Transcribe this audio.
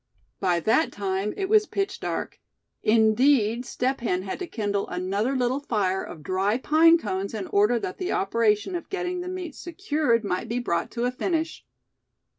By that time it was pitch dark. Indeed, Step Hen had to kindle another little fire of dry pine cones in order that the operation of getting the meat secured might be brought to a finish.